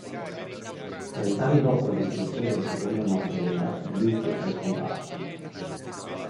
Trent'anni dopo la distruzione della seconda Morte Nera, Luke è scomparso.